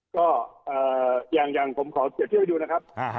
ก็อย่างผมขอเปรียบเทียบให้ดูนะครับ